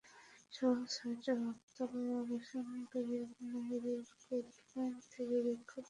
সকাল ছয়টায় হরতাল আহ্বানকারীরা নগরের কোর্ট পয়েন্ট থেকে বিক্ষোভ মিছিল বের করে।